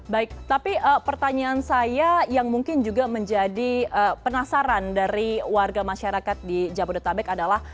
baik tapi pertanyaan saya yang mungkin juga menjadi penasaran dari warga masyarakat di jabodetabek adalah